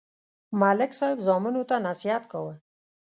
ملک صاحب زامنو ته نصحت کاوه